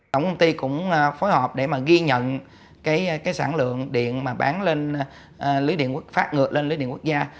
tổng công ty cũng phối hợp để mà ghi nhận cái sản lượng điện mà bán lên lưới điện phát ngược lên lưới điện quốc gia